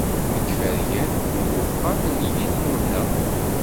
Deg yifergan n uxxam n Yillu-nneɣ!